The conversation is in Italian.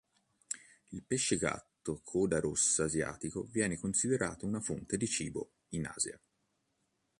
Il pesce gatto coda rossa asiatico viene considerato una fonte di cibo in Asia.